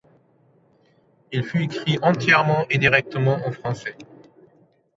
Il fut écrit entièrement et directement en français.